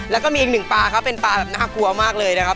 แล้วก็มีอีกหนึ่งปลาครับเป็นปลาแบบน่ากลัวมากเลยนะครับ